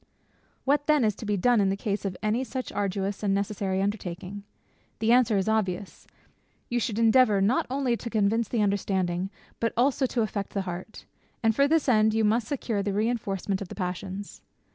What then it to be done in the case of any such arduous and necessary undertaking? The answer is obvious You should endeavour not only to convince the understanding, but also to affect the heart; and for this end, you must secure the reinforcement of the passions.